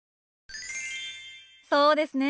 そうですね。